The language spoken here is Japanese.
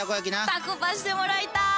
たこパしてもらいたい。